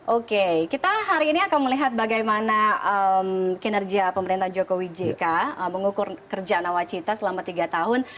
oke kita hari ini akan melihat bagaimana kinerja pemerintah jokowi jk mengukur kerja nawacita selama tiga tahun